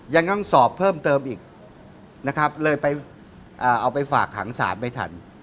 ยังต้องสอบเพิ่มเติมอีกเลยเอาไปฝากขังสารไม่ทัน